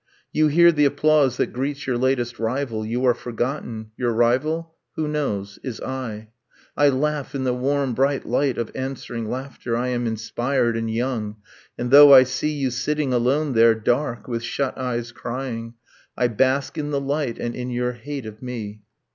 . You hear the applause that greets your latest rival, You are forgotten: your rival who knows? is I ... I laugh in the warm bright light of answering laughter, I am inspired and young ... and though I see You sitting alone there, dark, with shut eyes crying, I bask in the light, and in your hate of me